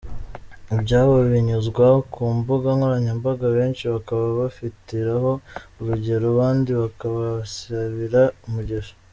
Ibyabo binyuzwa ku mbuga nkoranyambaga benshi bakaba bafitiraho urugero abandi bakabasabira umugisha.